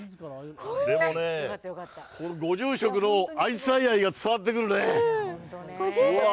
でもね、このご住職のあじさい愛が伝わってくるね。